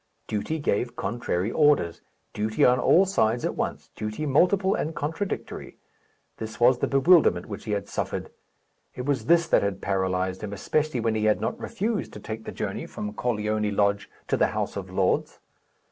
Duty gave contrary orders. Duty on all sides at once, duty multiple and contradictory this was the bewilderment which he had suffered. It was this that had paralyzed him, especially when he had not refused to take the journey from Corleone Lodge to the House of Lords.